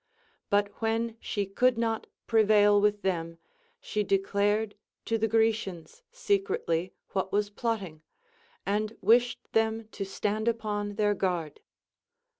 But when she could not prevail with them, she declared to the Grecians secretly Avhat was plotting, and wished them to stand upon their guard.